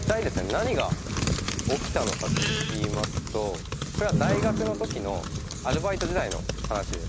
何が起きたのかと言いますとこれは大学の時のアルバイト時代の話です。